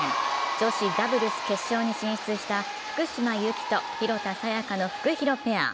女子ダブルス決勝に進出した福島由紀と廣田彩花のフクヒロペア。